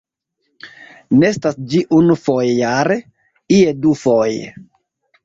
Nestas ĝi unufoje jare, ie dufoje.